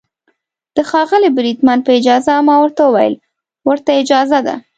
د ښاغلي بریدمن په اجازه، ما ورته وویل: ورته اجازه ده.